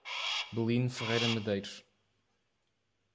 Belino Ferreira Medeiros